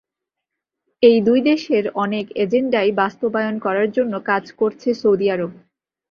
এই দুই দেশের অনেক এজেন্ডাই বাস্তবায়ন করার জন্য কাজ করছে সৌদি আরব।